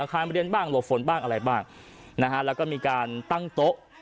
คารเรียนบ้างหลบฝนบ้างอะไรบ้างนะฮะแล้วก็มีการตั้งโต๊ะ